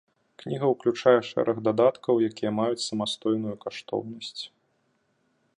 Кніга ўключае шэраг дадаткаў, якія маюць самастойную каштоўнасць.